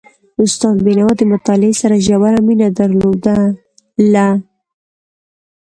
استاد بينوا د مطالعې سره ژوره مینه درلودله.